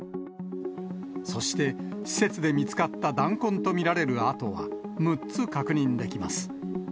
そして、施設で見つかった弾痕と見られる痕は６つ確認できます。